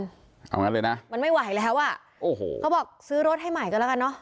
เอางั้นเลยนะมันไม่ไหวแล้วอ่ะโอ้โหเขาบอกซื้อรถให้ใหม่ก็แล้วกันเนอะ